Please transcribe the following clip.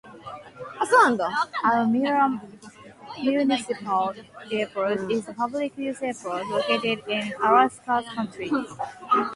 Almyra Municipal Airport is a public-use airport located in Arkansas County.